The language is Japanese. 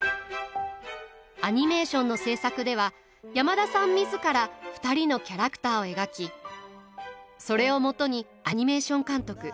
アニメーションの制作では山田さん自ら２人のキャラクターを描きそれをもとにアニメーション監督